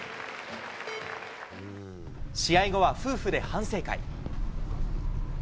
試合後は、夫婦で反省会。